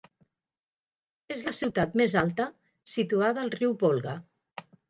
És la ciutat més alta situada al riu Volga.